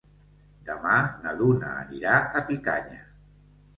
Demà na Duna anirà a Picanya.